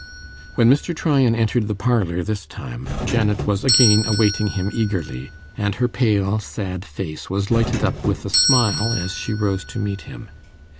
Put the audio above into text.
When Mr. Tryan entered the parlour this time, Janet was again awaiting him eagerly, and her pale sad face was lighted up with a smile as she rose to meet him.